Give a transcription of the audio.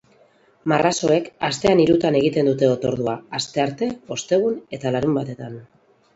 Marrazoek astean hirutan egiten dute otordua, astearte, ostegun eta larunbatetan.